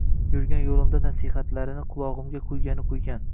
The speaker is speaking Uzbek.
Yurgan yo`limda nasihatlarini qulog`imga quygani quygan